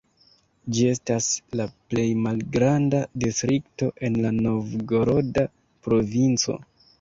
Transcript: Ĝi estas la plej malgranda distrikto en la Novgoroda provinco.